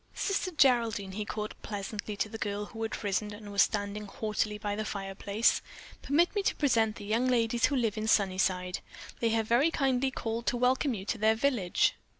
"Sister Geraldine," he called pleasantly to the girl who had risen and was standing haughtily by the fireplace, "permit me to present the young ladies who live in Sunnyside. They have very kindly called to welcome you to their village."